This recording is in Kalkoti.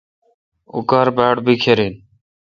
اوں کار باڑ بکھر این۔